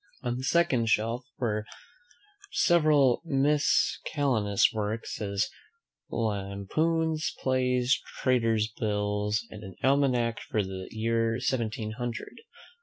On the second shelf are several miscellaneous works, as Lampoons. Plays. Tailors' bills. And an almanack for the year seventeen hundred.